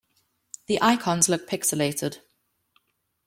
The icons look pixelated.